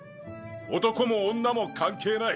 男も女も関係ない。